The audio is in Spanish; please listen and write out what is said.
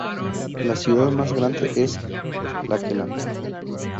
La ciudad más grande es Lakeland.